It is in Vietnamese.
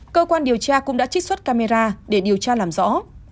cơ quan điều tra cũng đã trích xuất camera để điều tra làm rõ